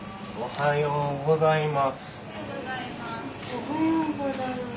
おはようございます。